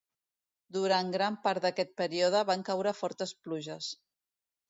Durant gran part d'aquest període van caure fortes pluges.